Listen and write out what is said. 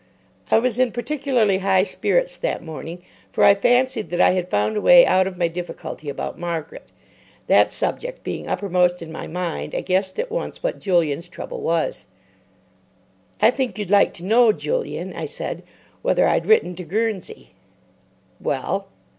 I was in particularly high spirits that morning, for I fancied that I had found a way out of my difficulty about Margaret. That subject being uppermost in my mind, I guessed at once what Julian's trouble was. "I think you'd like to know, Julian," I said, "whether I'd written to Guernsey." "Well?"